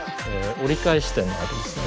折り返し点があるんですね。